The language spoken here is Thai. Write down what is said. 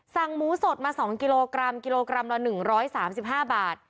หมูสดมา๒กิโลกรัมกิโลกรัมละ๑๓๕บาท